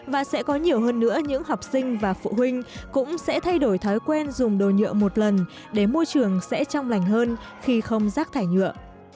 và sẽ có nhiều hơn nữa những học sinh và phụ huynh cũng sẽ thay đổi thói quen dùng đồ nhựa một lần để môi trường sẽ trong lành hơn khi không rác thải nhựa